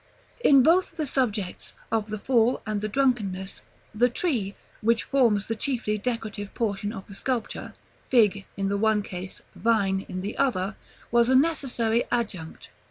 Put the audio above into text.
In both the subjects, of the Fall and the Drunkenness, the tree, which forms the chiefly decorative portion of the sculpture, fig in the one case, vine in the other, was a necessary adjunct.